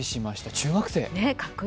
中学生。